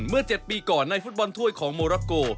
เมื่อ๗ปีก่อนในฟุตบอลถ้วยของโมราโก